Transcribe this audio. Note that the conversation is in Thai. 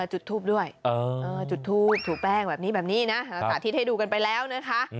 จุดทูปด้วยจุดทูบถูแป้งแบบนี้แบบนี้นะสาธิตให้ดูกันไปแล้วนะคะ